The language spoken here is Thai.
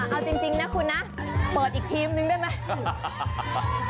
เอาจริงนะคุณนะเปิดอีกทีมนึงได้ไหม